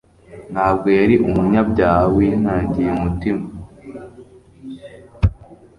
ntabwo yari umunyabyaha winangiye umutima;